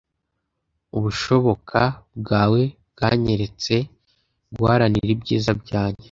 ubushoboka bwawe bwanyeretse guharanira ibyiza byanjye